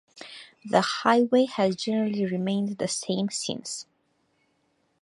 The highway has generally remained the same since.